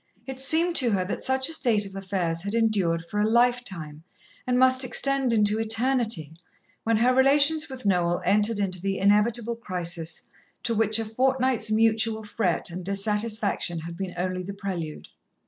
It seemed to her that such a state of affairs had endured for a lifetime, and must extend into eternity, when her relations with Noel entered into the inevitable crisis to which a fortnight's mutual fret and dissatisfaction had been only the prelude.